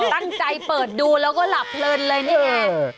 ตั้งใจเปิดดูแล้วก็หลับเพลินเลยนี่เอง